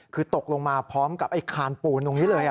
คือตกลงมาพร้อมกับไอ้คานปูนตรงนี้เลย